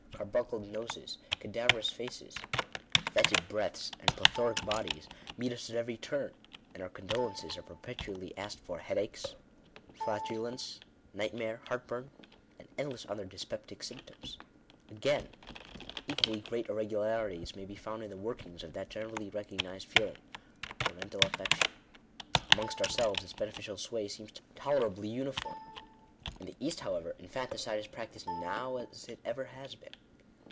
Carbuncled noses, cadaverous faces, foetid breaths, and plethoric bodies, meet us at every turn ; and our condolences are perpetually asked for headaches, flatulence, nightmare, heartburn, and endless other dyspeptic symptoms. Again :— equally great irregularities may be found in the work ings of that generally recognised feeling — parental affection. Amongst ourselves, its beneficial sway seems tolerably uniform. In the East, however, infanticide is practised now as it ever has been.